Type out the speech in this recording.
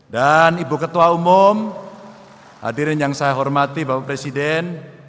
dan ibu ketua umum hadirin yang saya hormati bapak presiden